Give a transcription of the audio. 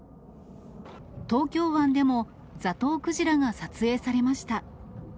東京湾でもザトウクジラが撮影されました。